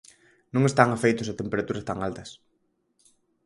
Non están afeitos a temperaturas tan altas.